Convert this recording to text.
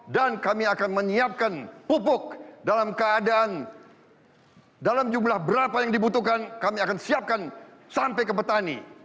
dan kami akan menyiapkan pupuk dalam keadaan dalam jumlah berapa yang dibutuhkan kami akan siapkan sampai ke petani